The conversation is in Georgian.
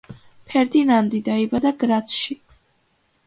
ფერდინანდი დაიბადა გრაცში.